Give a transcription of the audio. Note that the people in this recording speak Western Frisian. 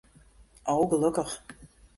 O, gelokkich.